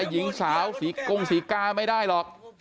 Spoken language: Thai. อะไรหญิงสาวโกงสีกล้าไม่ได้หรอก